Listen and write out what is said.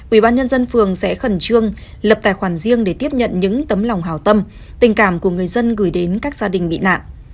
ủy ban nhân dân phường sẽ khẩn trương lập tài khoản riêng để tiếp nhận những tấm lòng hào tâm tình cảm của người dân gửi đến các gia đình bị nạn